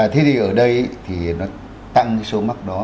thì ở đây nó tăng số mắc đó